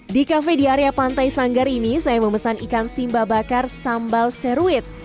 di kafe di area pantai sanggar ini saya memesan ikan simba bakar sambal seruit